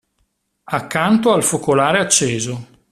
Accanto al focolare acceso.